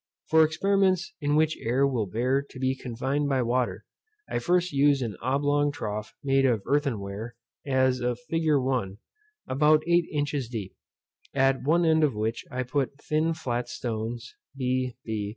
For experiments in which air will bear to be confined by water, I first used an oblong trough made of earthen ware, as a fig. 1. about eight inches deep, at one end of which I put thin flat stones, _b. b.